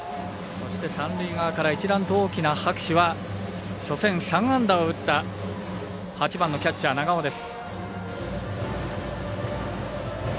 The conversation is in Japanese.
そして三塁側から一段と大きな拍手は初戦３安打を打った８番キャッチャーの長尾です。